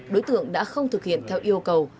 đối tượng đã không thực hiện theo yêu cầu